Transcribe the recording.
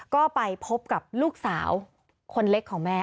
ก็ไปพบกับลูกสาวคนเล็กของแม่